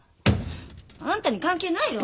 あんたに関係ないろ。